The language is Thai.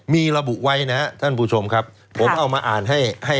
มีระบุไว้นะครับท่านผู้ชมครับผมเอามาอ่านให้ให้